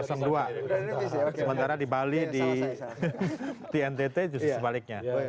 sementara di bali di ntt justru sebaliknya